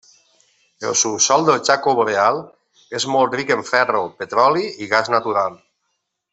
El subsòl del Chaco Boreal és molt ric en ferro, petroli, i gas natural.